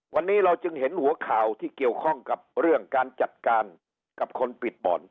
วันนี้เราจึงเห็นหัวข่าวที่เกี่ยวข้องกับเรื่องการจัดการกับคนปิดบ่อน